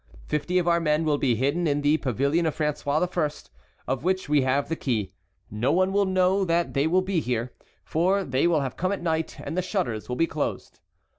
"Fifty of our men will be hidden in the Pavilion of François I., of which we have the key; no one will know that they will be there, for they will have come at night, and the shutters will be closed.